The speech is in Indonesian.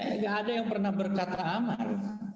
tidak ada yang pernah berkata aman